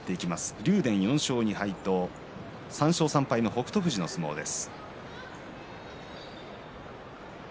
竜電、４勝２敗と３勝３敗の北勝富士の相撲です。